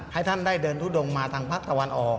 ให้ท่านได้เดินทุดงมาทางภาคตะวันออก